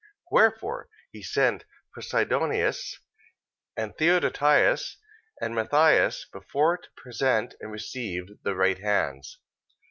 14:19. Wherefore he sent Posidonius, and Theodotius and Matthias before to present and receive the right hands.